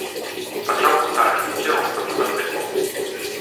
Пачаў гутарыць з кіроўцам матацыклу.